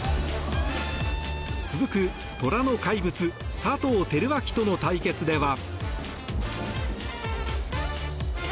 続く虎の怪物、佐藤輝明との対決では。